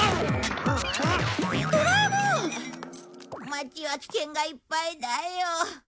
町は危険がいっぱいだよ。